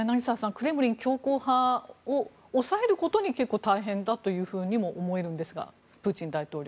クレムリン強硬派を抑えることが大変だとも思えるんですがプーチン大統領。